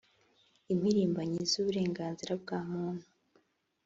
impirimbanyi z’uburenganzira bwa muntu